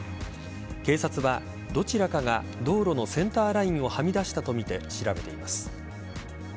警察は、どちらかが道路のセンターラインをはみ出したとみて調べています。